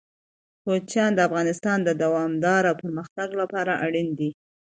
کوچیان د افغانستان د دوامداره پرمختګ لپاره اړین دي.